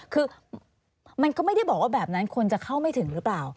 คือมันก็ไม่ได้บอกว่าแบบนั้นคนจะเข้าไม่ถึงหรือเปล่า